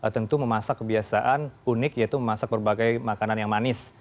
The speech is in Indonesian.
tentu memasak kebiasaan unik yaitu memasak berbagai makanan yang manis